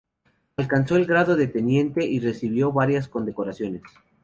Alcanzó el grado de teniente y recibió varias condecoraciones.